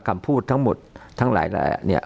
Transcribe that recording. คำพูดทั้งหมดทั้งหลายเนี่ย